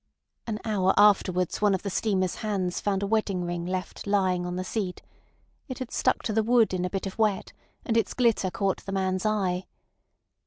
An hour afterwards one of the steamer's hands found a wedding ring left lying on the seat. It had stuck to the wood in a bit of wet, and its glitter caught the man's eye.